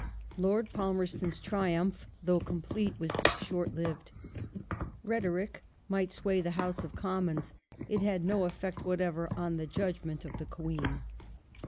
Lord Palmerston's triumph, though complete, was short lived. The Rhetoric might sway the House of Commons ; it had no effect Memor whatever on the judgment of the Queen.